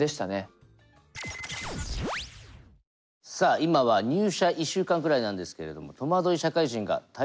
さあ今は入社１週間くらいなんですけれどもとまどい社会人が大量発生していると思うんですが